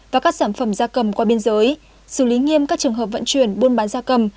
và các sản phẩm da cầm qua biên giới xử lý nghiêm các trường hợp vận chuyển buôn bán da cầm